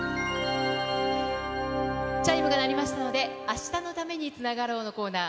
チャイムが鳴りましたので、明日のために、つながろうのコーナー。